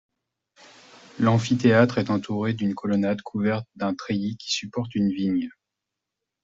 L'amphithéâtre est entouré d'une colonnade couverte d'un treillis qui supporte une vigne.